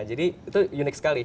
jadi itu unik sekali